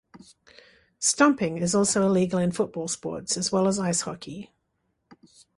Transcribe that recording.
Stomping is also illegal in football sports, as well as ice hockey.